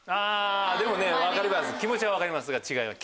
気持ちは分かりますが違います